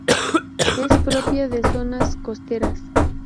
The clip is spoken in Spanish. Es propia de zonas costeras.